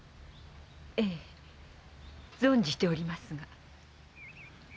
ええ存じておりますが。